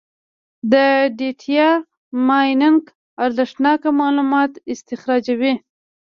د ډیټا مایننګ ارزښتناکه معلومات استخراجوي.